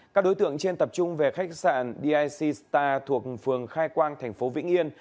các đối tượng trên tập trung về khách sạn dic star thuộc phường khai quang thành phố vĩnh yên